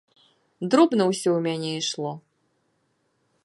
Дробна ўсё ў мяне ішло.